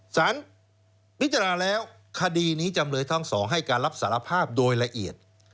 สารพิจารณาแล้วคดีนี้จำเลยทั้งสองให้การรับสารภาพโดยละเอียด